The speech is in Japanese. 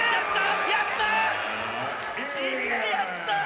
やったー！